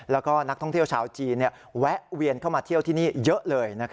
แล้วก็นักท่องเที่ยวชาวจีนแวะเวียนเข้ามาเที่ยวที่นี่เยอะเลย